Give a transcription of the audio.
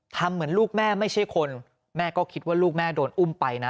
ทำเหมือนลูกแม่ไม่ใช่คนแม่ก็คิดว่าลูกแม่โดนอุ้มไปนะ